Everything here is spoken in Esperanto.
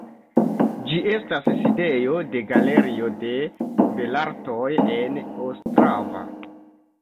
Ĝi estas sidejo de Galerio de belartoj en Ostrava.